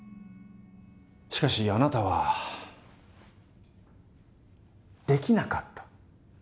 しかしあなたはできなかった。